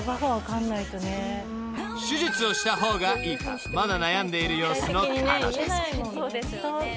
［手術をした方がいいかまだ悩んでいる様子の彼女］